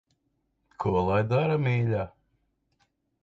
Ko lai dara, mīļā.